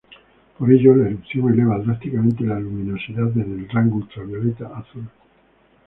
Por ello, la erupción eleva drásticamente la luminosidad en el rango ultravioleta-azul.